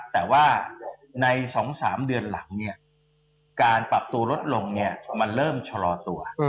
แต่ว่าใน๒๓เดือนหลังการปรับตัวลดลงมันเริ่มชะลอตัว